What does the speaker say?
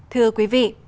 thưa quý vị